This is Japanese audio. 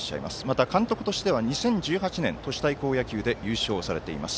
また、監督としては２０１８年都市対抗野球で優勝されています。